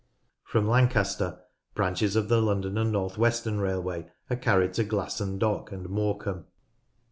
From Lancaster branches of the London and North Western railway are carried to Glasson Dock and Morecambe.